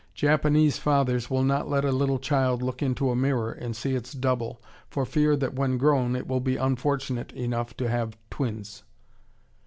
Japanese fathers will not let a little child look into a mirror and see its double, for fear that when grown it will be unfortunate enough to have twins!